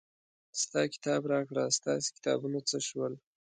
ستا کتاب راکړه ستاسې کتابونه څه شول.